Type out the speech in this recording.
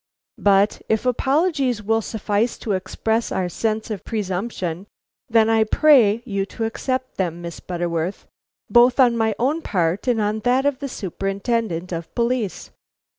But if apologies will suffice to express our sense of presumption, then I pray you to accept them, Miss Butterworth, both on my own part and on that of the Superintendent of Police."